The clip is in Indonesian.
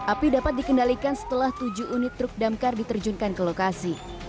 api dapat dikendalikan setelah tujuh unit truk damkar diterjunkan ke lokasi